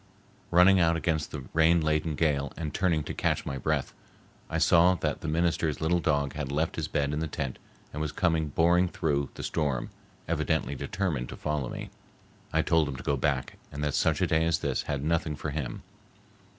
Running out against the rain laden gale and turning to catch my breath, I saw that the minister's little dog had left his bed in the tent and was coming boring through the storm, evidently determined to follow me. I told him to go back, that such a day as this had nothing for him.